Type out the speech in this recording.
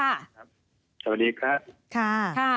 สวัสดีค่ะ